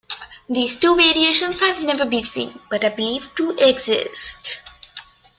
These two variations have never been seen, but are believed to exist.